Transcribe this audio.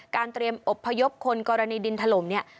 เตรียมอบพยพคนกรณีดินถล่มเนี่ย